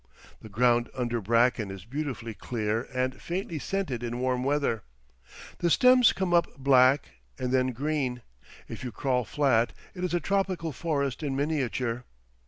The ground under bracken is beautifully clear and faintly scented in warm weather; the stems come up black and then green; if you crawl flat, it is a tropical forest in miniature.